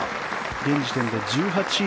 現時点で１８位